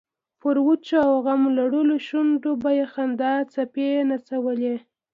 پر وچو او غم لړلو شونډو به یې د خندا څپې نڅولې.